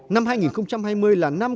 năm hai nghìn hai mươi là năm